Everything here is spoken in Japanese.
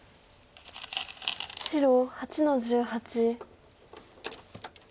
白８の十八。